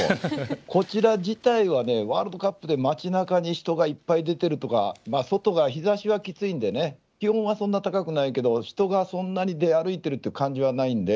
こちら自体は、ワールドカップで街なかに人がいっぱい出てるとか外が日ざしはきついので気温はそんなに高くないけど人がそんなに出歩いている感じがないので。